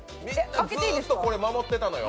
ずっと守ってたのよ。